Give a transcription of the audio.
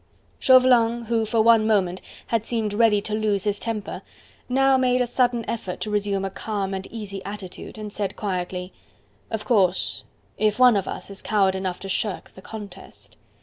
Chauvelin, who for one moment had seemed ready to lose his temper, now made a sudden effort to resume a calm and easy attitude and said quietly: "Of course, if one of us is coward enough to shirk the contest..."